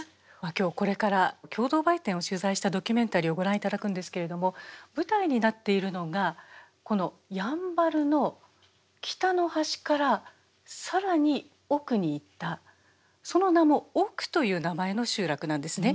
今日これから共同売店を取材したドキュメンタリーをご覧頂くんですけれども舞台になっているのがこのやんばるの北の端から更に奥に行ったその名も「奥」という名前の集落なんですね。